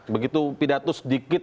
begitu pidato sedikit